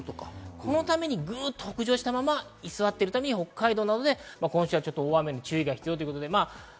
そのため、ぐっと北上したまま居座っているため、北海道などで今週は大雨に注意が必要です。